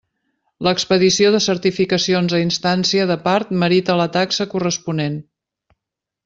L'expedició de certificacions a instància de part merita la taxa corresponent.